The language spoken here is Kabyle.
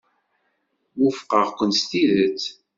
Wufqeɣ-ken s tidet.